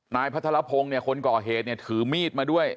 นายพัทรพงศ์เนี่ยคนก่อเหตุเนี่ยถือมีดมาด้วย